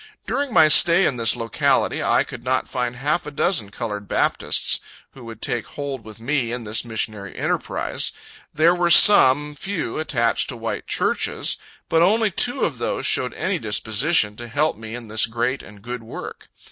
During my stay in this locality, I could not find half a dozen colored Baptists, who would take hold with me in this missionary enterprise. There were some few attached to the white churches; but only two of those showed any disposition to help me in this great and good work.